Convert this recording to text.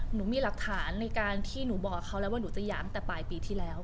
หนูมีหลักฐานในการที่หนูบอกเขาแล้วว่าหนูจะหยามแต่ปลายปีที่แล้ว